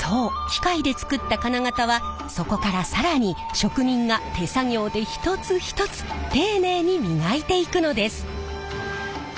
機械で作った金型はそこから更に職人が手作業で一つ一つ丁寧に磨いていくのです。